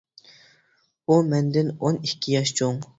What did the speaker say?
ئۇ مەندىن ئون ئىككى ياش چوڭ.